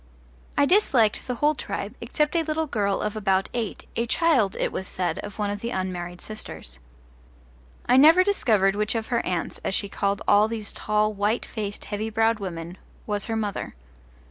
I disliked the whole tribe, except a little girl of about eight, a child, it was said, of one of the unmarried sisters. I never discovered which of her aunts, as she called all these tall, white faced heavy browed women, was her mother.